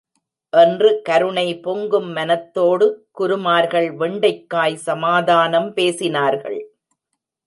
என்று கருணை பொங்கும் மனத்தோடு குருமார்கள் வெண்டைக்காய் சமாதானம் பேசினார்கள்!